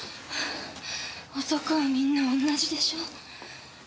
男はみんなおんなじでしょ？